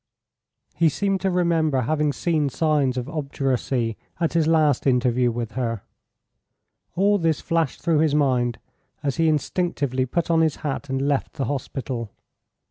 He seemed to remember having seen signs of obduracy at his last interview with her. All this flashed through his mind as he instinctively put on his hat and left the hospital.